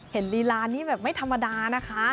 ลีลานี่แบบไม่ธรรมดานะคะ